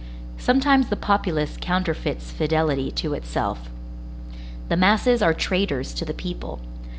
Sometimes the populace counterfeits fidelity to itself. The masses are traitors to the people.